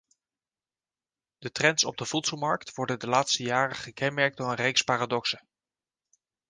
De trends op de voedselmarkt worden de laatste jaren gekenmerkt door een reeks paradoxen.